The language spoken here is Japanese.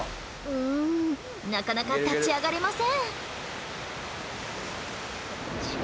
うんなかなか立ち上がれません。